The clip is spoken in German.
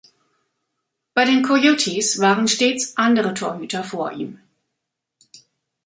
Bei den Coyotes waren stets andere Torhüter vor ihm.